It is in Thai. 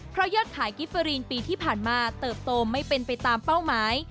เพราะยอดขายกิฟเฟอรีนปีที่ผ่านมาเติบโตไม่เป็นไปตามเป้าหมาย